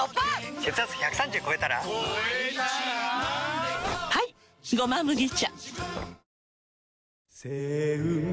血圧１３０超えたら超えたらはい「胡麻麦茶」